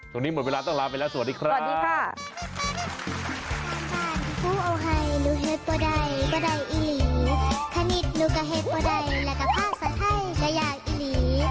ช่วงนี้หมดเวลาต้องลาไปแล้วสวัสดีครับ